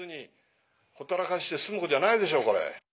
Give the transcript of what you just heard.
ほったらかして済むことじゃないでしょこれ。